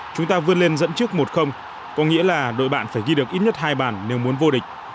chúng ta vươn lên dẫn trước một có nghĩa là đội bạn phải ghi được ít nhất hai bàn nếu muốn vô địch